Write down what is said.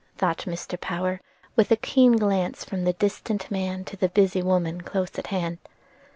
thought Mr. Power, with a keen glance from the distant man to the busy woman close at hand.